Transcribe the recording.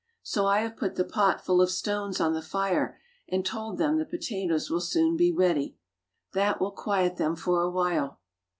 So I have put the pot full of stones on the fire and told them the pota toes will soon be ready. That will quiet them for a while."